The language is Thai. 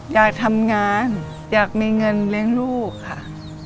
อยากทำงานอยากมีเงินเลี้ยงลูกค่ะ